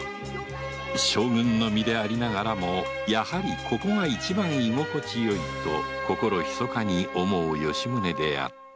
将軍の身でありながらも“やはりここが一番居心地よい”と心秘かに思う吉宗であった